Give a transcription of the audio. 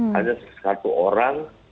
hanya satu orang